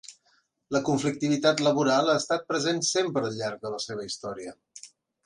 La conflictivitat laboral ha estat present sempre al llarg de la seva història.